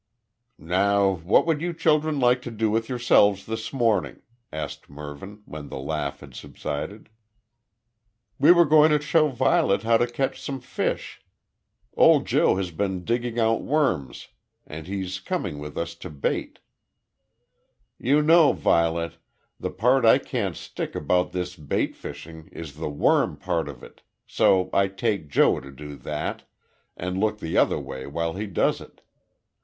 "Now what would you children like to do with yourselves this morning?" asked Mervyn, when the laugh had subsided. "We were going to show Violet how to catch some fish. Old Joe has been digging out worms, and he's coming with us to bait. You know, Violet, the part I can't stick about this bait fishing is the worm part of it, so I take Joe to do that, and look the other way while he does it.